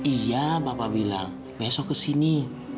iya bapak bilang besok kesini